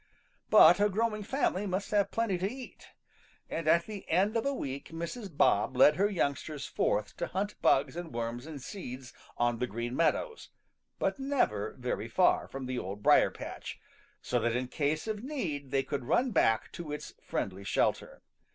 But a growing family must have plenty to eat, and at the end of a week Mrs. Bob led her youngsters forth to hunt bugs and worms and seeds on the Green Meadows, but never very far from the Old Briar patch, so that in case of need they could run back to its friendly shelter.